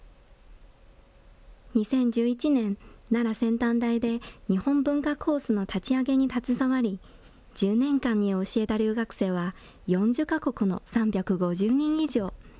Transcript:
２０１１年、奈良先端大で、日本文化コースの立ち上げに携わり、１０年間に教えた留学生は４０か国の３５０人以上。